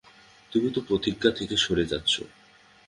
তুমি তোমার প্রতিজ্ঞা থেকে সরে যাচ্ছ।